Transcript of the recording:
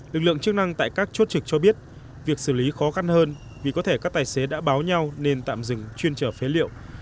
lực lượng chức năng tại các chốt trực cho biết việc xử lý khó khăn hơn vì có thể các tài xế đã báo nhau nên tạm dừng chuyên trở phế liệu